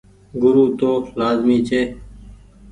گورو تو لآزمي ڇي۔